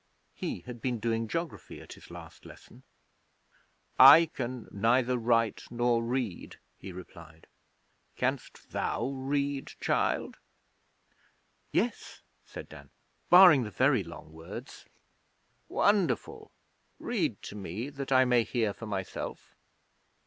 He had been doing geography at his last lesson. 'I can neither write nor read,' he replied. 'Canst thou read, child?' 'Yes,' said Dan, 'barring the very long words.' 'Wonderful! Read to me, that I may hear for myself.'